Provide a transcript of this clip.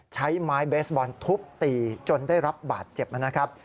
ใช้ไม้เบสบอลทุบตีจนได้รับบาดเจ็บนะครับ